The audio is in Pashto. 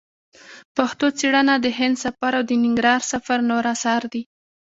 پښتو څېړنه د هند سفر او د ننګرهار سفر نور اثار دي.